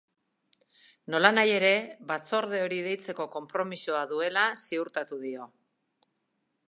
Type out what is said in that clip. Nolanahi ere, batzorde hori deitzeko konpromisoa duela ziurtatu dio.